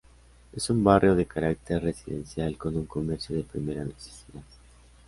Es un barrio de carácter residencial con un comercio de primera necesidad.